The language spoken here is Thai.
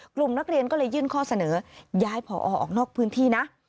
กลุ่มนักเรียนก็เลยยื่นข้อเสนอย้ายผอออกนอกพื้นที่นะ